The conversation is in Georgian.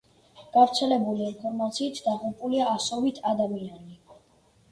გავრცელებული ინფორმაციით დაღუპულია ასობით ადამიანი.